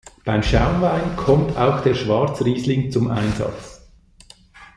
Beim Schaumwein kommt auch der Schwarzriesling zum Einsatz.